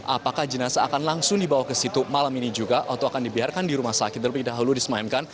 apakah jenazah akan langsung dibawa ke situ malam ini juga atau akan dibiarkan di rumah sakit terlebih dahulu disemayamkan